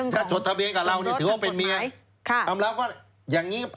ถ้าจดทะเบียนกับเราเนี่ยถือว่าเป็นเมีย